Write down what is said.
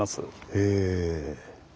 へえ。